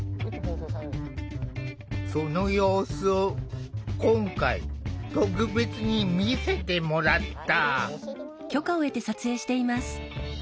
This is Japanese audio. その様子を今回特別に見せてもらった。